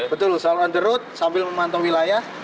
betul secara on the road sambil memantau wilayah